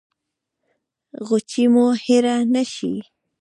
غیچي مو هیره نه شي